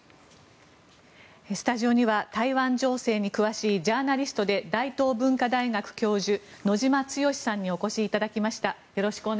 スタジオには台湾情勢に詳しいジャーナリストで大東文化大学教授野嶋剛さんにお越しいただきました。